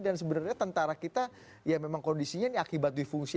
dan sebenarnya tentara kita ya memang kondisinya ini akibat duit fungsi